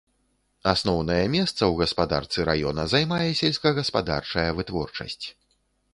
Асноўнае месца ў гаспадарцы раёна займае сельскагаспадарчая вытворчасць.